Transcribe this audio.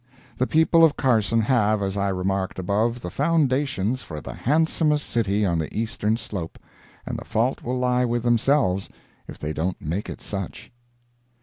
The people of Carson have, as I remarked above, the foundations for the handsomest city on the Eastern Slope, and the fault will lie with themselves if they don't make it such.